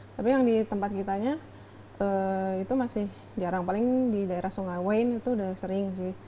tapi yang di tempat kitanya itu masih jarang paling di daerah sungai wain itu udah sering sih